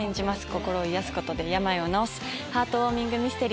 心を癒やすことで病を治すハートウオーミングミステリー。